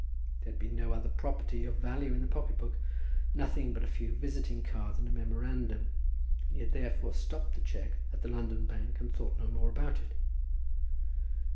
There had been no other property of value in the pocket book, nothing but a few visiting cards and a memorandum, and he had therefore stopped the cheque at the London bank, and thought no more about it.